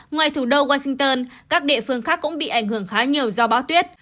ngoài thủ đô washington các địa phương khác cũng bị ảnh hưởng khá nhiều do báo tuyết